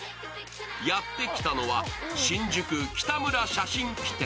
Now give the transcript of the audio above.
やってきたのは新宿北村写真機店